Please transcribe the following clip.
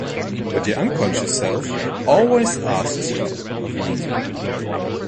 But your unconscious self always asks it of me.